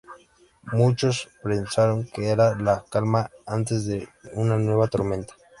Muchos pensaron que era la calma antes de una nueva tormenta.